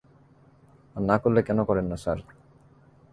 আর না করলে, কেন করেন না, স্যার?